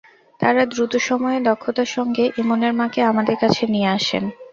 তাঁরা দ্রুত সময়ে দক্ষতার সঙ্গে ইমনের মাকে আমাদের কাছে নিয়ে আসেন।